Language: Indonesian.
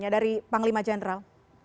dari panglima jenderal